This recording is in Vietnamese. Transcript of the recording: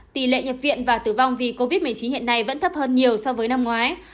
tỷ lệ nhập viện và tử vong vì covid một mươi chín hiện nay vẫn thấp hơn nhiều so với năm ngoái